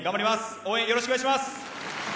応援よろしくお願いします。